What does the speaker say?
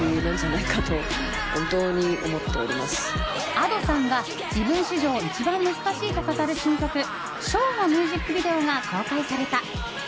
Ａｄｏさんが自分史上一番難しいと語る新曲「唱」のミュージックビデオが公開された。